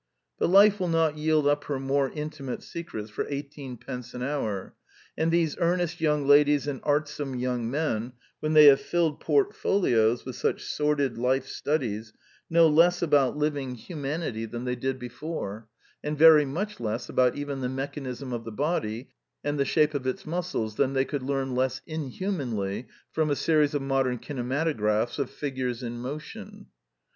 But Life will not yield up her more intimate secrets for eighteen pence an hour; and these earnest young ladies and artsome young men, when they have filled portfolios with such sordid life studies, know less about living hu 176 The Quintessence of Ibsenism manity than they did before, and very much less about even the mechanism of the body and the shape of its muscles than they could learn less inhumanly from a series of modern kinemato graphs of figures in motion.